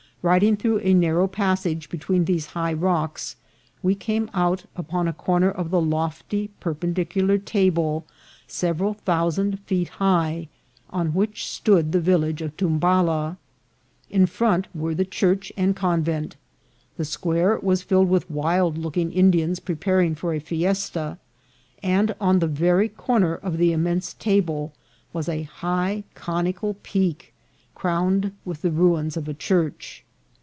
Riding through a narrow passage between these high rocks, we came out upon a corner of the lofty perpendicular table several thousand feet high, on which stood the village of Tumbala. In front were the church and convent; the square was filled with wild looking Indians preparing for a fiesta, and on the very corner of the immense table was a high coni cal peak, crowned with the ruins of a church.